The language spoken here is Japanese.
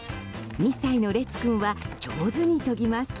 ２歳の烈君は上手に研ぎます。